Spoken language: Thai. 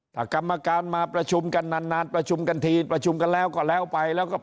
ถ้ากรรมการมาประชุมกันนานประชุมกันทีประชุมกันแล้วก็แล้วไปแล้วก็